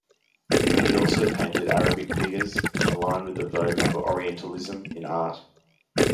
He also painted Arabic figures, in line with the vogue for Orientalism in art.